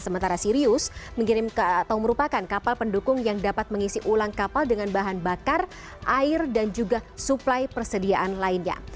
sementara sirius atau merupakan kapal pendukung yang dapat mengisi ulang kapal dengan bahan bakar air dan juga suplai persediaan lainnya